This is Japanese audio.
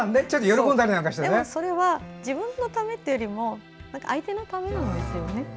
でもそれは自分のためというより相手のためなんですよね。